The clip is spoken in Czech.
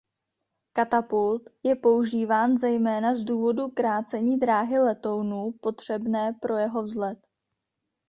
Katapult je používán zejména z důvodu zkrácení dráhy letounu potřebné pro jeho vzlet.